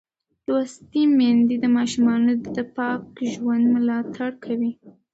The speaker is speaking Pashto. لوستې میندې د ماشومانو د پاک ژوند ملاتړ کوي.